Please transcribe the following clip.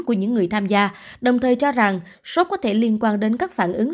của những người tham gia đồng thời cho rằng shop có thể liên quan đến các phản ứng